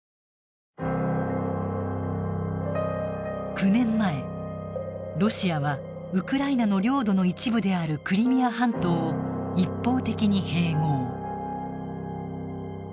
９年前ロシアはウクライナの領土の一部であるクリミア半島を一方的に併合。